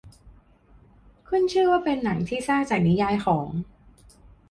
ขึ้นชื่อว่าเป็นหนังที่สร้างจากนิยายของ